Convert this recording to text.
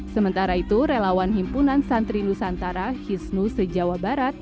sementara itu relawan himpunan santri nusantara hisnu se jawa barat